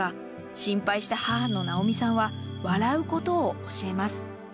心配した母の直美さんは笑うことを教えます。